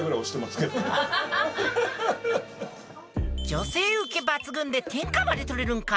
女性ウケ抜群で天下まで取れるんか？